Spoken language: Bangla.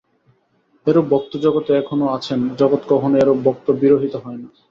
এরূপ ভক্ত জগতে এখনও আছেন, জগৎ কখনই এরূপ ভক্ত-বিরহিত হয় না।